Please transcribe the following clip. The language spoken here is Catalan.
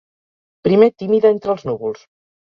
Primer tímida entre els núvols.